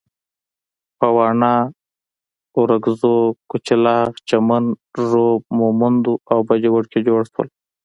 په واڼه، ارکزو، کچلاک، چمن، ږوب، مومندو او باجوړ کې جوړ شول.